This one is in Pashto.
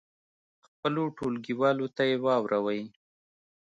خپلو ټولګیوالو ته یې واوروئ.